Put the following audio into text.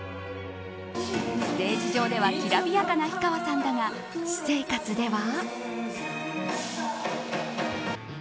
ステージ上ではきらびやかな氷川さんだが私生活では。